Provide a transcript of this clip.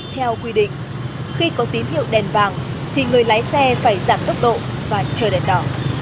theo quy định khi có tín hiệu đèn vàng thì người lái xe phải giảm tốc độ và chờ đèn đỏ